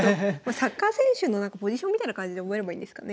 サッカー選手のポジションみたいな感じで覚えればいいんですかね？